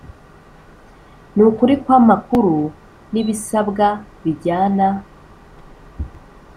N ukuri kw amakuru n ibisabwa bijyana